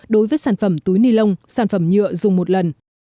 đối với sản phẩm túi nilon sản phẩm nhựa dùng một lần